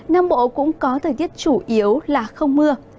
nam bộ cũng có thời tiết chủ yếu là không mưa